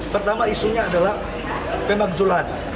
pertama isunya adalah pemakzulan